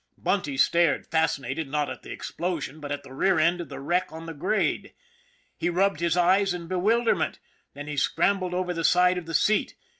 Bunty stared, fasci nated, not at the explosion, but at the rear end of the wreck on the grade. He rubbed his eyes in bewilder ment, then he scrambled over the side of the seat.